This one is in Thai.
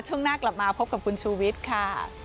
ช่วงหน้ากลับมาพบกับคุณชูวิทย์ค่ะ